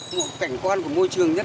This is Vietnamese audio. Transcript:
một cảnh quan của môi trường nhất